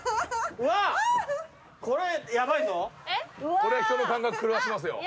これは人の感覚狂わしますよ。